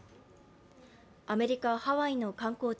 アメリカ・ハワイの観光地